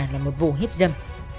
là một vụ hiếp dâm